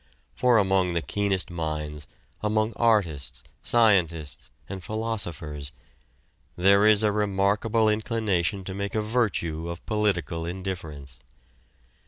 For among the keenest minds, among artists, scientists and philosophers, there is a remarkable inclination to make a virtue of political indifference.